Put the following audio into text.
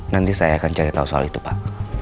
nanti saya akan cari tahu soal itu pak